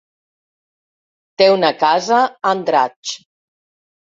Té una casa a Andratx.